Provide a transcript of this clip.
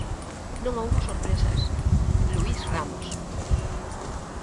Non houbo sorpresas, Luís Ramos...